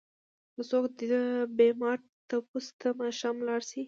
که څوک د بيمار تپوس ته ماښام لاړ شي؛